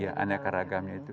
aneka ragamnya itu